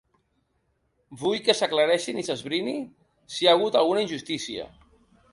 Vull que s’aclareixin i s’esbrini si hi ha hagut alguna injustícia.